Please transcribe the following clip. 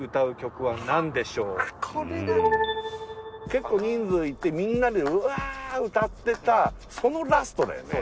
結構人数いてみんなでうわーっ歌ってたそのラストだよね？